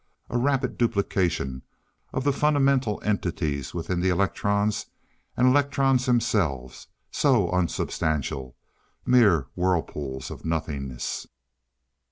a rapid duplication of the fundamental entities within the electrons and electrons themselves, so unsubstantial mere whirlpools of nothingness!